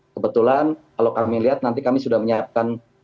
kebetulan kalau kami lihat nanti kami sudah menyiapkan